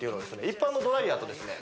一般のドライヤーとですね